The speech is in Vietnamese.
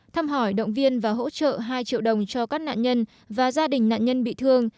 thăm hỏi động viên và hỗ trợ hai triệu đồng cho các nạn nhân và gia đình nạn nhân bị thương